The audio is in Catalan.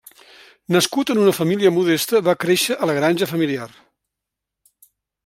Nascut en una família modesta, va créixer a la granja familiar.